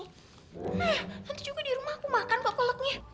eh nanti juga di rumah aku makan pak kolaknya